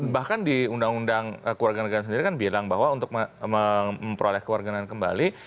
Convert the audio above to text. bahkan di undang undang kewarganegaraan sendiri kan bilang bahwa untuk memperoleh kewarganegaraan kembali